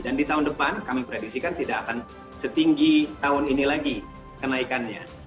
dan di tahun depan kami predisikan tidak akan setinggi tahun ini lagi kenaikannya